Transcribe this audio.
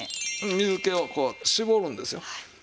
水気をこうしぼるんですよ。